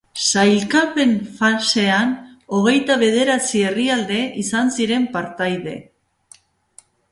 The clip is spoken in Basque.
Sailkapen-fasean hogeita bederatzi herrialde izan ziren partaide.